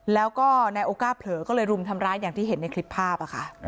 แล้วก็นายโอก้าเผลอก็เลยรุมทำร้ายอย่างที่เห็นในคลิปภาพค่ะ